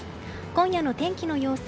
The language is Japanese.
今夜の天気の様子